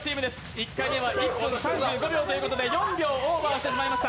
１回目は１分３５秒ということで４秒オーバーしてしまいました。